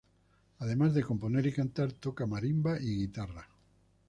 Además de componer y cantar toca marimba y guitarra.